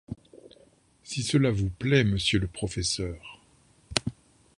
Si cela vous plaît, monsieur le professeur.